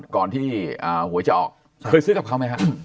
ก่อนที่หวยจะออกเคยซื้อกับเขาไหมครับ